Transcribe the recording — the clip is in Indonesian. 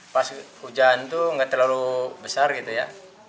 pas hujan itu nggak terlalu besar gitu ya